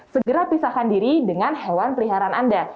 segera pisahkan diri dengan hewan peliharaan anda